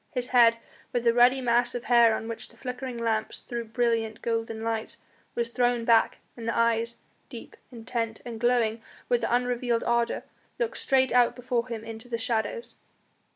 His head, with the ruddy mass of hair on which the flickering lamps threw brilliant, golden lights, was thrown back, and the eyes, deep, intent, and glowing with unrevealed ardour, looked straight out before him into the shadows.